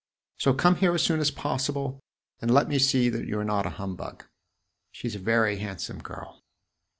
So come here as soon as possible and let me see that you are not a humbug. She 's a very handsome girl."